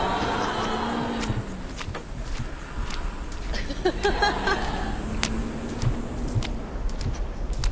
アハハハハハハ！